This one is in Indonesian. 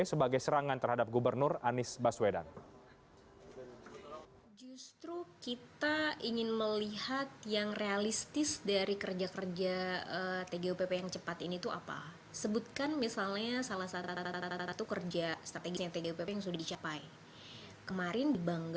sebagai serangan terhadap gubernur anies baswedan